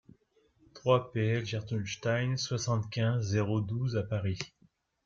trois pL GERTRUDE STEIN, soixante-quinze, zéro douze à Paris